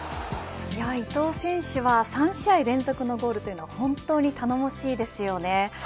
伊東選手は３試合連続のゴールというのは本当に頼もしいですよね。